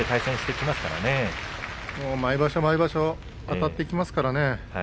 毎場所、毎場所あたっていきますからね。